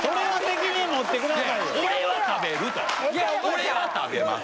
俺は食べます。